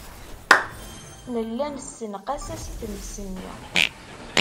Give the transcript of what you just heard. Nella nessenqas-as i tmes-nni.